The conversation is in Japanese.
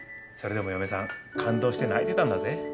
それでも嫁さん感動して泣いてたんだぜ。